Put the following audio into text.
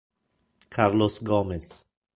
Carlos Gómez